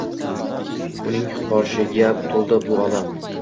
Uning qo’shig’iga to’ldi bu olam.